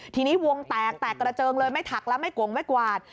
ทีนี้วงแตกแตกกระเจิงเลยไม่ถักแล้วไม่กงไม่กวาด